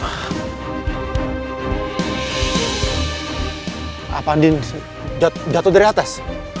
apa andin jatuh dari atas